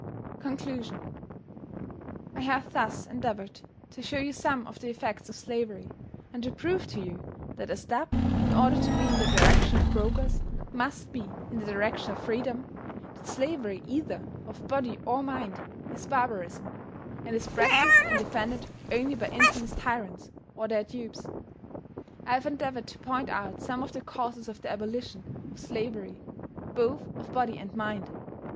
CONCLUSION I HAVE thus endeavored to show you some of the effects of slavery, and to prove to you that a step in order to be in the direction of progress must be in the direction of freedom; that slavery either of body or mind is barbarism and is practiced and defended only by infamous tyrants or their dupes. I have endeavored to point out some of the causes of the abolition of slavery, both of body and mind.